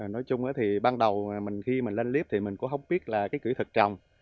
nói chung thì ban đầu khi mình lên clip thì mình cũng không biết là cái kỹ thuật trồng